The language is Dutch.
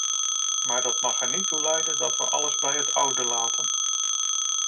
Maar dat mag er niet toe leiden dat we alles bij het oude laten.